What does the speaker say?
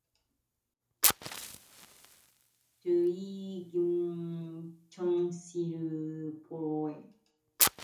치삼은 의아한 듯이 김첨지를 보며